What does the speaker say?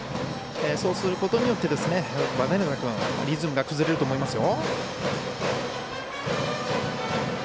そうすることによってヴァデルナ君、リズムが崩れると思いますよ。